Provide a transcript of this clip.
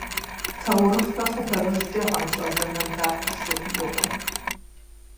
Таурыхърэ хъыбарыжькӀэ гъэнщӀа зэман дахэщ сабиигъуэр.